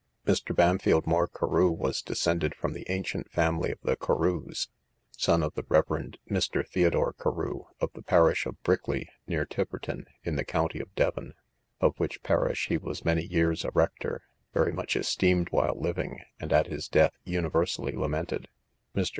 Mr. Bampfylde Moore Carew was descended from the ancient family of the Carews, son of the Reverend Mr. Theodore Carew, of the parish of Brickley, near Tiverton, in the county of Devon; of which parish he was many years a rector, very much esteemed while living, and at his death universally lamented. Mr.